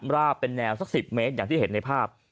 ราบเป็นแนวสัก๑๐เมตรอย่างที่เห็นในภาพ